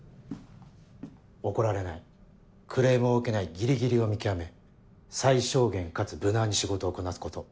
怒られないクレームを受けないギリギリを見極め最小限かつ無難に仕事をこなすこと。